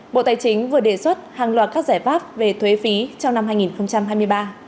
bộ tài chính vừa đề xuất hàng loạt các giải pháp về thuế phí trong năm hai nghìn hai mươi ba